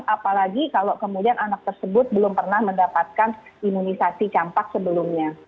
apalagi kalau kemudian anak tersebut belum pernah mendapatkan imunisasi campak sebelumnya